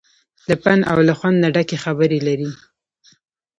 له پند او له خوند نه ډکې خبرې لري.